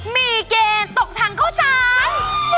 มีเกณฑ์ตกทางเข้าสาร